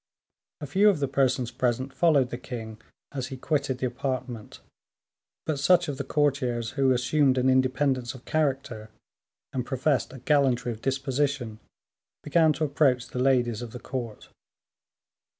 A few of the persons present followed the king as he quitted the apartment; but such of the courtiers as assumed an independence of character, and professed a gallantry of disposition, began to approach the ladies of the court.